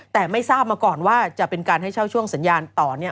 แต่ไม่ทราบมาก่อนว่าจะเป็นการให้เช่าช่วงสัญญาณต่อ